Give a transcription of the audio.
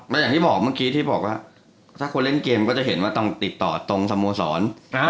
อย่างที่บอกเมื่อกี้ที่บอกว่าถ้าคนเล่นเกมก็จะเห็นว่าต้องติดต่อตรงสโมสร